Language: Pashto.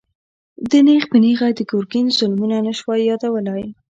ده نېغ په نېغه د ګرګين ظلمونه نه شوای يادولای.